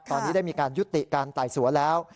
ตอนนี้ได้มีการยุติการไต่สวนแล้ว